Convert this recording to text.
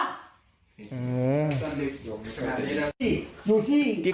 อยู่ที่